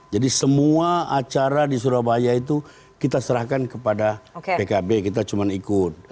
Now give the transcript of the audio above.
jadi semua acara di surabaya itu kita serahkan kepada pkb kita cuma ikut